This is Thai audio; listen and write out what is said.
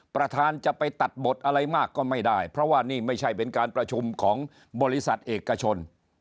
ประธานจะไปตัดบทอะไรมากก็ไม่ได้เพราะว่านี่ไม่ใช่เป็นการประชุมของบริษัทเอกชน